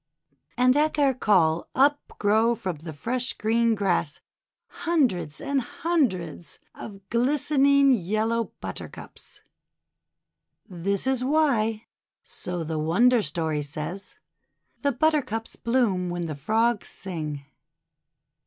And at their call up grow from the fresh green grass hundreds and hundreds of glistening yel low Buttercups. This is why so the wonder story says — the Buttercups bloom when the Frogs sing.